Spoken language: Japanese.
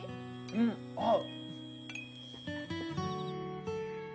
うん。あっ！